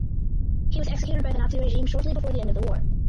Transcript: He was executed by the Nazi regime shortly before the end of the war.